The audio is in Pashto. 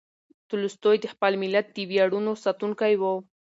تولستوی د خپل ملت د ویاړونو ساتونکی و.